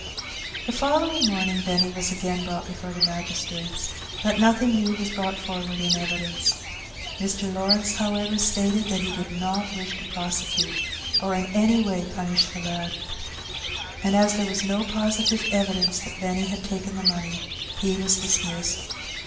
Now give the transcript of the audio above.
The following morning Benny was again brought before the magistrates, but nothing new was brought forward in evidence. Mr. Lawrence, however, stated that he did not wish to prosecute, or in any way punish the lad. And as there was no positive evidence that Benny had taken the money, he was dismissed.